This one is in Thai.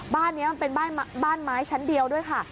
บ้านนี้มันเป็นบ้านไม้ชั้นเดียวด้วยค่ะ